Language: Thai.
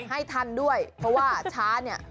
ให้ทันด้วยเพราะว่าช้าเนี่ย